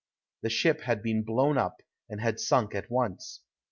The ship had been blown up and had sunk at once.